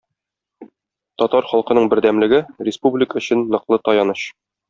Татар халкының бердәмлеге - республика өчен ныклы таяныч.